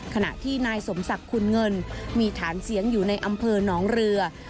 ขณะที่นายสมศักดิ์คุณเงินมีฐานเสียงอยู่ในอำเภอหนองเรือ